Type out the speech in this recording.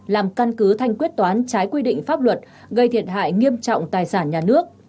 làm căn cứ thanh quyết toán trái quy định pháp luật gây thiệt hại nghiêm trọng tài sản nhà nước